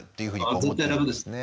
絶対楽ですね。